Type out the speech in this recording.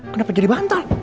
kenapa jadi bantal